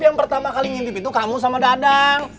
yang pertama kali ngintip itu kamu sama dadang